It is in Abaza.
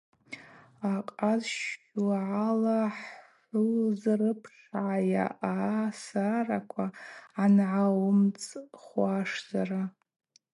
Ахъаз щуагӏала хӏзурыпшгӏайа асараква ангӏауымцхуашзара.